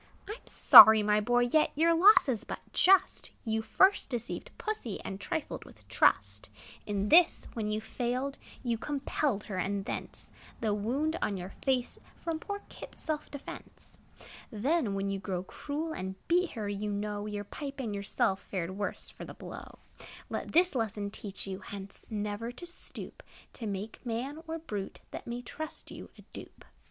I 'm sorry, my boy; yet Your loss is but just; You first deceived Pussy, And trifled with trust. In this, when you failed, You compelled her; and thence The wound on your face, From poor Kit's self defence. Then, when you grew cruel And beat her, you know Your pipe and yourself Fared the worst for the blow. Let this lesson teach you, Hence never to stoop To make man, or brute, That may trust you, a dupe.